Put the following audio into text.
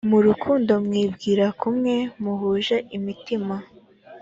mu rukundo mwibwira kumwe muhuje imitima